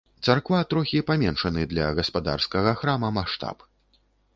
Царква трохі паменшаны для гаспадарскага храма маштаб.